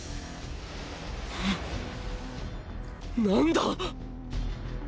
何だ